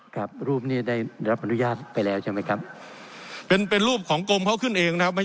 ครับรูปนี้ได้รับอนุญาตไปแล้วใช่ไหมครับเป็นเป็นรูปของกรมเขาขึ้นเองนะครับ